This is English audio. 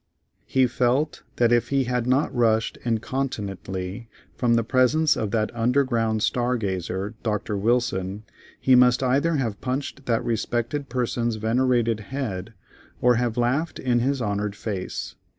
He felt that if he had not rushed incontinently from the presence of that underground star gazer Dr. Wilson, he must either have punched that respected person's venerated head, or have laughed in his honored face.